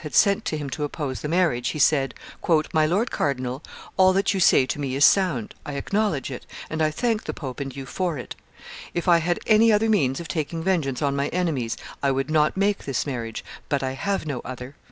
had sent to him to oppose the marriage, he said, "My lord cardinal, all that you say to me is sound; I acknowledge it, and I thank the pope and you for it; if I had any other means of taking vengeance on my enemies, I would not make this marriage; but I have no other."